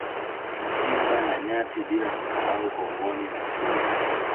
Simba na Nyati bila kusahau Kongoni na Chui